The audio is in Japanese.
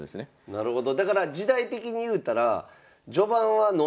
なるほど。